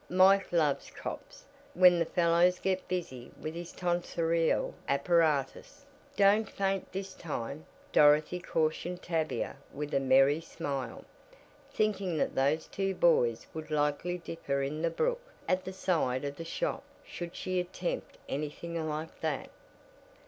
Mike loves 'cops,' when the fellows get busy with his tonsorial apparatus." "Don't faint this time," Dorothy cautioned Tavia with a merry smile, thinking that those two boys would likely dip her in the brook at the side of the shop should she attempt anything like that.